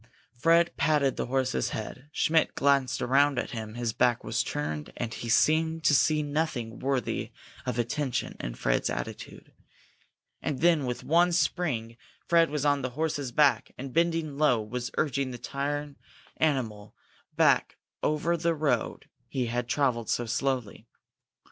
Fred patted the horse's head. Schmidt glanced around at him. His back was turned, and he seemed to see nothing worthy of attention in Fred's attitude. And then, with one spring, Fred was on the horse's back, and, bending low, was urging the tired animal back over the road he had travelled so slowly.